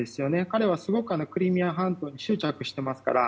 彼はすごくクリミア半島に執着していますから。